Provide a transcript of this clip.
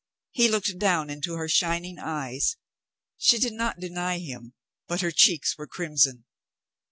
He looked down into her shining eyes. She did not deny him, but her cheeks were crimson.